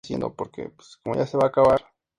Puede ser con tortilla de harina o maíz.